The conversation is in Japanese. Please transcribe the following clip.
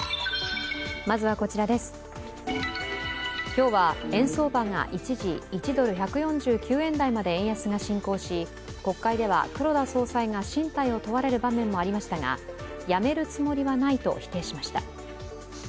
今日は円相場が一時１ドル＝１４９円台まで円安が進行し国会では黒田総裁が進退を問われる場面もありましたが辞めるつもりはないと否定しました。